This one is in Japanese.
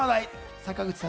坂口さん